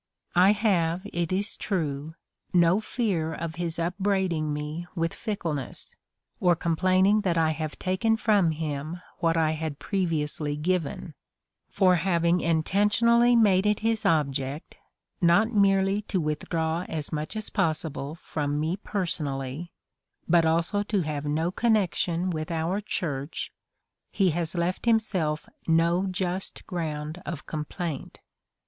I have, it is true, no fear of his upbraiding me with fickleness, or complaining that I have taken from him what I had previously given, for having intentionally made it his object, not merely to withdraw as much as possible from me personally, but also to have no connection with our Church, he has left himself no just ground of complaint.